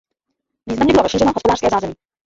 Významně bylo rozšířeno hospodářské zázemí.